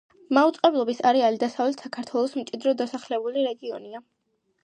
მაუწყებლობის არეალი დასავლეთ საქართველოს მჭიდროდ დასახლებული რეგიონია.